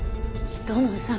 土門さん